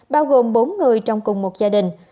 bao gồm bốn người trong cùng một gia đình